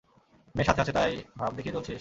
মেয়ে সাথে আছে তাই ভাব দেখিয়ে চলছিস?